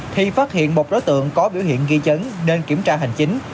thì phát hiện một đối tượng có biểu hiện ghi chấn nên kiểm tra hành chính